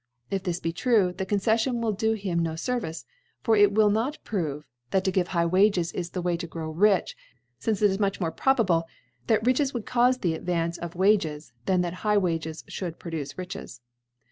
— If this be true, the Conceffion will do him no Service ; for it will not prove, that to give high Wages is the Way to grow rich ; finceit is nnich more probable, that Richer fliould caufc the Advance of Wage?, than that high Wages ffiould produce Riches.